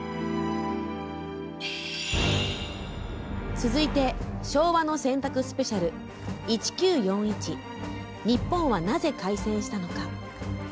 続いて「昭和の選択スペシャル『１９４１日本はなぜ開戦したのか』」。